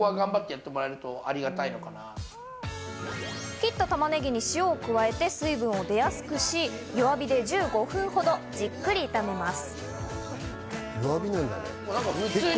切った玉ねぎに塩を加え、水分を出やすくし、弱火で１５分ほどじっくり炒めます。